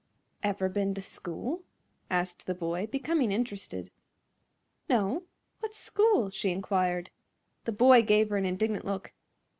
"Ever ben to school?" asked the boy, becoming interested. "No; what's school?" she inquired. The boy gave her an indignant look.